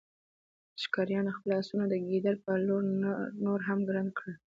ښکاریانو خپل آسونه د ګیدړ په لور نور هم ګړندي کړل